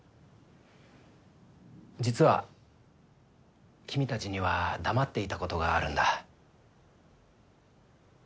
実は君たちには黙っていた事があるんだ。